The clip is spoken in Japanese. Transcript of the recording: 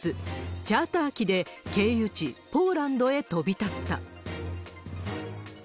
チャーター機で経由地、ポーランドへ飛び立った。